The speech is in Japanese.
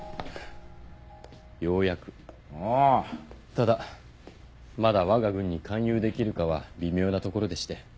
ただまだわが軍に勧誘できるかは微妙なところでして。